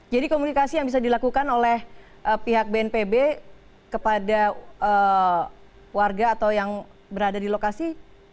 komunikasi yang bisa dilakukan oleh pihak bnpb kepada warga atau yang berada di lokasi